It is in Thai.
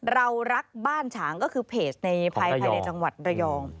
เรารักบ้านฉางก็คือเพจในภายในจังหวัดระยอง